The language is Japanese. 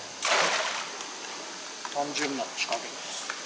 単純な仕掛けです。